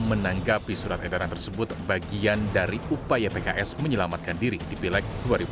menanggapi surat edaran tersebut bagian dari upaya pks menyelamatkan diri di pileg dua ribu sembilan belas